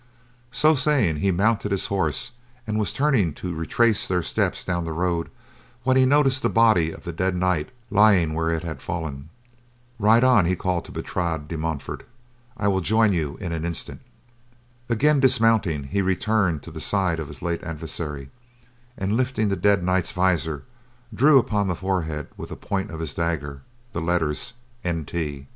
So saying, he mounted his horse and was turning to retrace their steps down the road when he noticed the body of the dead knight lying where it had fallen. "Ride on," he called to Bertrade de Montfort, "I will join you in an instant." Again dismounting, he returned to the side of his late adversary, and lifting the dead knight's visor, drew upon the forehead with the point of his dagger the letters NT.